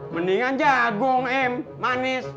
mendingan jagung em manis